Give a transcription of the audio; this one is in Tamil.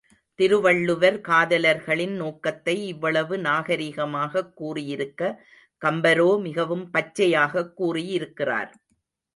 திருவள்ளுவர் காதலர்களின் நோக்கத்தை இவ்வளவு நாகரிகமாகக் கூறியிருக்க, கம்பரோ மிகவும் பச்சையாகக் கூறியிருக்கிறார்.